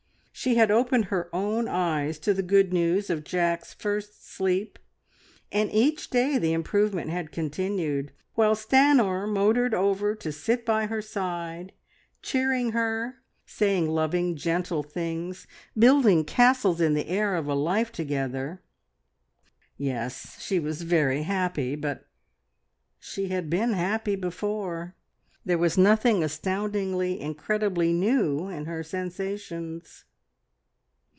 She had opened her own eyes to the good news of Jack's first sleep, and each day the improvement had continued, while Stanor motored over, to sit by her side, cheering her, saying loving, gentle things, building castles in the air of a life together. ... Yes, she was very happy, but ... she had been happy before, there was nothing astoundingly, incredibly new in her sensations.